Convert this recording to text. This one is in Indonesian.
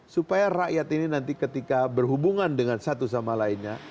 supaya rakyat ini nanti ketika berhubungan dengan satu sama lainnya